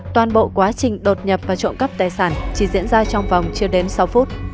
toàn bộ quá trình đột nhập và trộm cắp tài sản chỉ diễn ra trong vòng chưa đến sáu phút